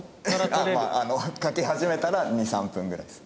あっまあ描き始めたら２３分ぐらいです。